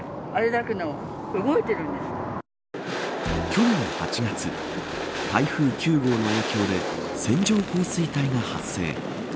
去年８月台風９号の影響で線状降水帯が発生。